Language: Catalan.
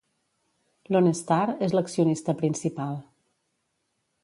Lone Star és l'accionista principal.